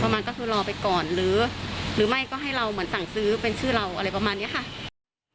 ประมาณก็คือรอไปก่อนหรือหรือไม่ก็ให้เราเหมือนสั่งซื้อ